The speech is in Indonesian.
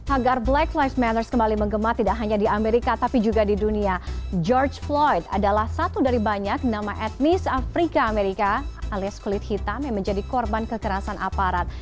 agar black live matters kembali menggema tidak hanya di amerika tapi juga di dunia george floyd adalah satu dari banyak nama etnis afrika amerika alias kulit hitam yang menjadi korban kekerasan aparat